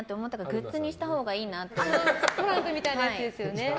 グッズにしたほうがいいなとトランプみたいなやつですよね。